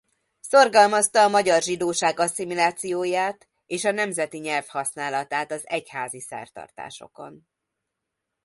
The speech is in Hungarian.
Szorgalmazta a magyar zsidóság asszimilációját és a nemzeti nyelv használatát az egyházi szertartásokon.